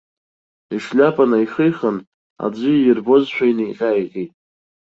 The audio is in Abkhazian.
Ишлиапа наихихын, аӡәы иирбозшәа, инаиҟьа-ааиҟьеит.